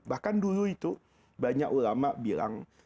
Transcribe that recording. bahkan dulu itu banyak ulama bilang